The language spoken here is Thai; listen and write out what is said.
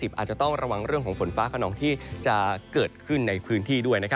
อาจจะต้องระวังเรื่องของฝนฟ้าขนองที่จะเกิดขึ้นในพื้นที่ด้วย